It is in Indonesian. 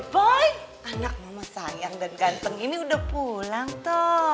boy anak mama sayang dan ganteng ini udah pulang tuh